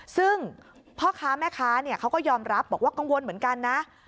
ซึ่งพ่อค้าแม่ค้าเขาก็ยอมรับบอกว่ากังวลเหมือนกันนะ